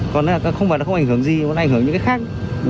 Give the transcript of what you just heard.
còn không phải nó không ảnh hưởng gì nó ảnh hưởng đến những cái khác